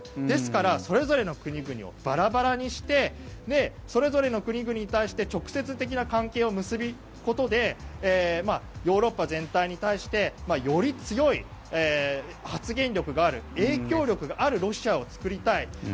ですからそれぞれの国々をバラバラにしてそれぞれの国々に対して直接的な関係を結ぶことでヨーロッパ全体に対してより強い発言力がある影響力があるロシアを作りたい。